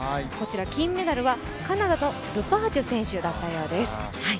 金メダルはカナダのルパージュ選手だったようです。